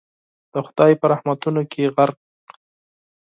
د خدای په رحمتونو کي غرق